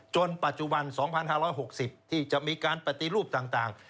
ปัจจุบัน๒๕๖๐ที่จะมีการปฏิรูปต่าง